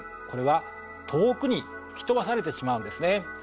これは遠くに吹き飛ばされてしまうんですね。